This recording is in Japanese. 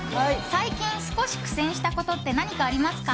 最近少し苦戦したことって何かありますか？